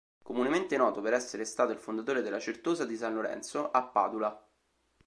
Comunemente noto per essere stato il fondatore della Certosa di San Lorenzo, a Padula.